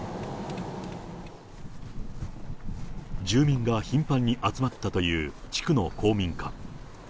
住民が頻繁に集まったという、地区の公民館。